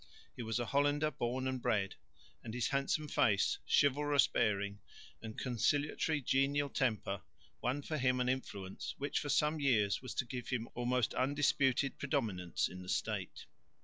He was a Hollander born and bred, and his handsome face, chivalrous bearing, and conciliatory genial temper, won for him an influence, which for some years was to give him almost undisputed predominance in the State.